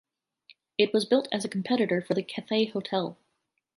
It was built as a competitor for the Cathay Hotel.